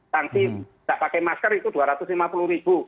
sanksi tidak pakai masker itu dua ratus lima puluh ribu